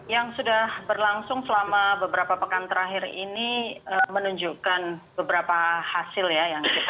yang sudah berlangsung selama beberapa pekan terakhir ini menunjukkan beberapa hasil ya yang kita lihat ya